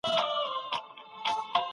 څه شی هوایي حریم له لوی ګواښ سره مخ کوي؟